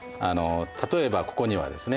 例えばここにはですね